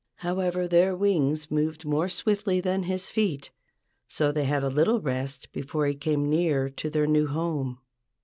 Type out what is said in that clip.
However, their wings moved more swiftly than his feet, so they had a little rest before he came near to their new home.